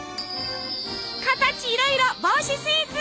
形いろいろ帽子スイーツ！